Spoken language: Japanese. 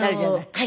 はい。